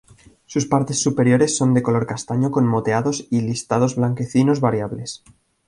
Sus partes superiores son de color castaño con moteados y listados blanquecinos variables.